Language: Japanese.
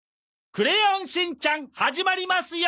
『クレヨンしんちゃん』始まりますよ！